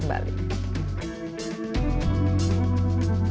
pembinaan ideologi pancasila